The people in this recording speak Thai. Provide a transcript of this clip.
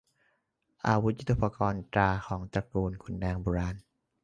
อาวุธยุทโธปกรณ์ ตราของตระกูลขุนนางโบราณ